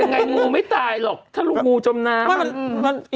ยังไงงูไม่ตายหรอกถ้าลงงูจมน้ำ